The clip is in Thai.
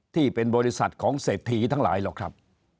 ที่เป็นบริษัทของเศรษฐีทั้งหลายหรอกครับ